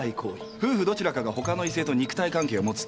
夫婦どちらかがほかの異性と肉体関係を持つってこと。